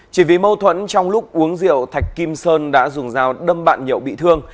chỉ vì mâu thuẫn trong lúc uống rượu thạch kim sơn đã dùng dao đâm bạn nhậu bị thương